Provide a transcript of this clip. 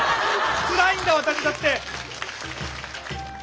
つらいんだ私だって！